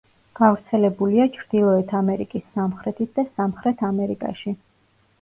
გავრცელებულია ჩრდილოეთ ამერიკის სამხრეთით და სამხრეთ ამერიკაში.